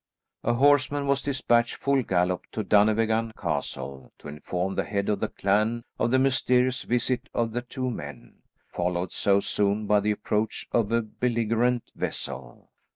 A horseman was despatched full gallop to Dunvegan Castle to inform the head of the clan of the mysterious visit of the two men, followed so soon by the approach of a belligerent vessel.